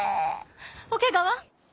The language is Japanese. おけがは。